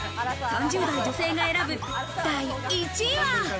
３０代女性が選ぶ第１位は？